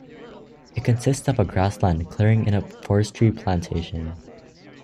It consists of a grassland clearing in a forestry plantation.